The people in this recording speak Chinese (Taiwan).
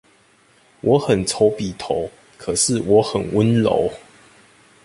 我很醜比頭，可是我很溫柔